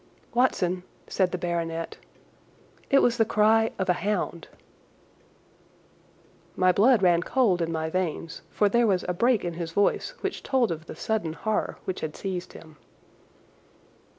"Watson," said the baronet, "it was the cry of a hound." My blood ran cold in my veins, for there was a break in his voice which told of the sudden horror which had seized him.